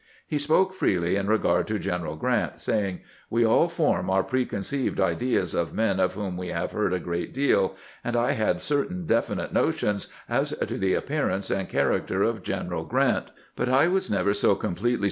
He spoke freely in regard to General Grant, saying :" "We all form our preconceived ideas of men of whom we have heard a great deal, and I had certain definite notions as to the appearance and char acter of General Grant ; but I was never so completely 11 il ^:v;i.